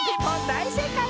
だいせいかい！